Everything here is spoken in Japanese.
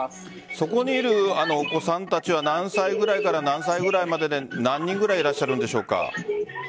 そこにいるお子さんたちは何歳くらいから何歳くらいまで何人くらいいらっしゃるんでしょうか？